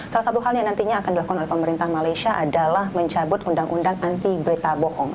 salah satu hal yang nantinya akan dilakukan oleh pemerintah malaysia adalah mencabut undang undang anti berita bohong